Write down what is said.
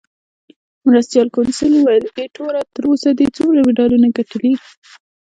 مرستیال کونسل وویل: ایټوره، تر اوسه دې څومره مډالونه ګټلي؟